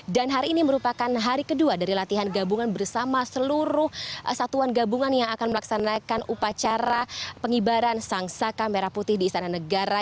dan hari ini merupakan hari kedua dari latihan gabungan bersama seluruh satuan gabungan yang akan melaksanakan upacara pengibaran sang saka merah putih di istana negara